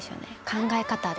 考え方で。